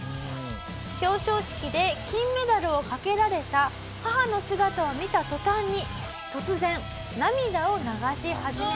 表彰式で金メダルを掛けられた母の姿を見た途端に突然涙を流し始めます。